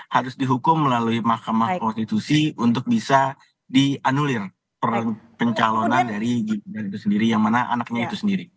harus dihukum melalui mahkamah konstitusi untuk bisa dianulir pencalonan dari gibran itu sendiri yang mana anaknya itu sendiri